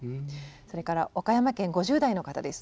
それから岡山県５０代の方です。